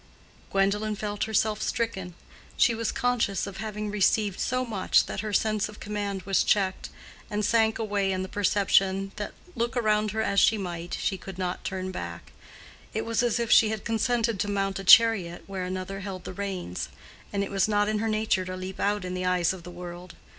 Gwendolen felt herself stricken. She was conscious of having received so much, that her sense of command was checked, and sank away in the perception that, look around her as she might, she could not turn back: it was as if she had consented to mount a chariot where another held the reins; and it was not in her nature to leap out in the eyes of the world.